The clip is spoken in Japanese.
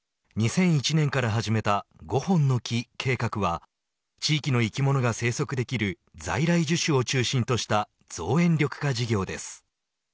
２００１年から始めた５本の樹計画は地域の生き物が生息できる在来樹種を中心とした造園緑化事業です。